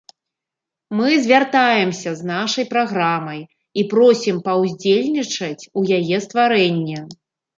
Мы звяртаемся з нашай праграмай і просім паўдзельнічаць у яе стварэнні.